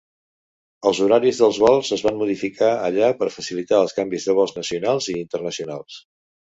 Els horaris dels vols es van modificar allà per facilitar els canvis de vols nacionals i internacionals.